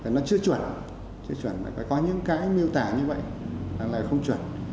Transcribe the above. nó chưa chuẩn chưa chuẩn phải có những cái miêu tả như vậy là không chuẩn